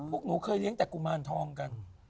พวกหนูเคยเลี้ยงแต่กุมารทองกัน